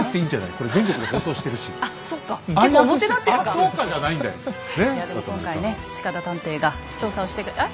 いやでも今回ね近田探偵が調査をしてくれえ？